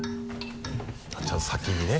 ちゃんと先にね。